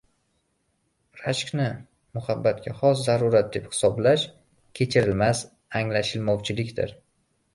Rashkni muhabbatga xos zarurat deb hisoblash kechirilmas anglashilmovchilikdir.